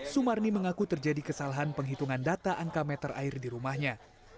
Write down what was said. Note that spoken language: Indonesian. sumarni mengaku terjadi kesalahan penghitungan data angka meter air di rumahnya